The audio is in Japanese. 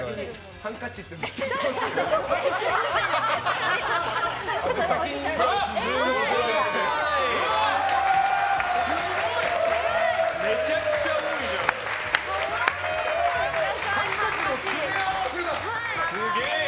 ハンカチの詰め合わせだ！